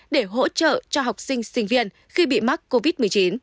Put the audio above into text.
để hỗ trợ cho học sinh sinh viên khi bị mắc covid một mươi chín